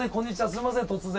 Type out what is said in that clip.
すいません突然。